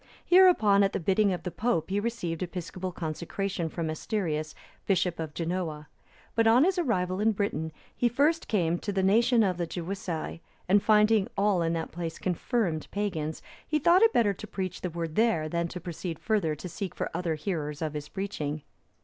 Hereupon at the bidding of the Pope he received episcopal consecration from Asterius, bishop of Genoa;(319) but on his arrival in Britain, he first came to the nation of the Gewissae, and finding all in that place confirmed pagans, he thought it better to preach the Word there, than to proceed further to seek for other hearers of his preaching.